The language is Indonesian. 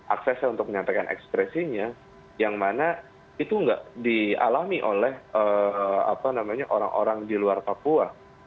aksesnya untuk menyampaikan ekspresinya yang mana itu nggak dialami oleh orang orang di luar papua